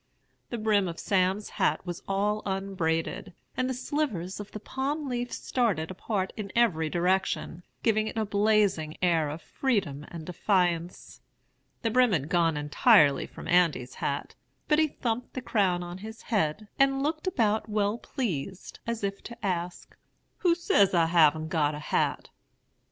The brim of Sam's hat was all unbraided, and the slivers of the palm leaf started apart in every direction, giving it a blazing air of freedom and defiance. The brim had gone entirely from Andy's hat; but he thumped the crown on his head, and looked about well pleased, as if to ask, 'Who says I haven't got a hat?'